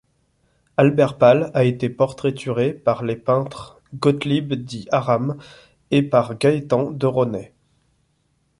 Albert Palle a été portraituré par les peintres Gottlieb-dit-Aram et par Gaëtan de Rosnay.